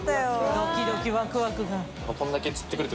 ドキドキワクワクが。